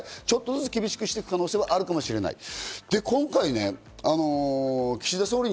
ちょっとずつ厳しくしていく可能性はあるかもしれない。